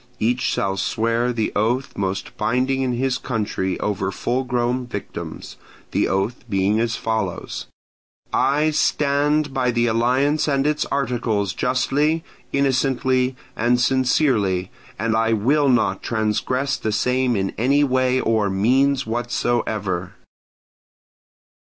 Each shall swear the oath most binding in his country over full grown victims: the oath being as follows: "I STAND BY THE ALLIANCE AND ITS ARTICLES, JUSTLY, INNOCENTLY, AND SINCERELY, AND I WILL NOT TRANSGRESS THE SAME IN ANY WAY OR MEANS WHATSOEVER."